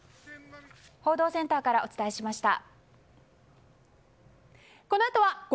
報道センターからお伝えしました。